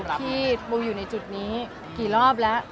ที่ปูอยู่ในจุดนี้กี่รอบแล้ว